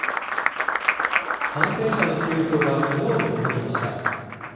感染者の急増は、きのうも続きました。